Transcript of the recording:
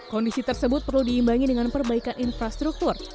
kondisi tersebut perlu diimbangi dengan perbaikan infrastruktur